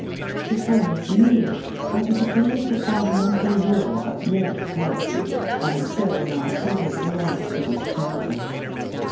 The form is new, but it obeys the fundamental law of lyric poetry, and so in our study belongs to this chapter.